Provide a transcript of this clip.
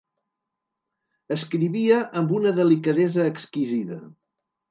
Escrivia amb una delicadesa exquisida.